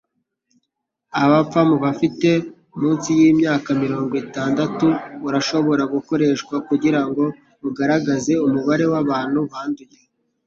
abapfa mu bafite munsi y’imyaka mirongo itandatu urashobora gukoreshwa kugirango ugaragaze umubare w’abantu banduye.